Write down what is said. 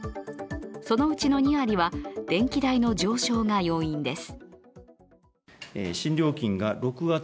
そのうちの２割は電気代の上昇が要因です。